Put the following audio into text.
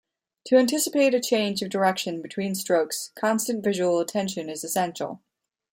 To anticipate a change of direction between strokes constant visual attention is essential.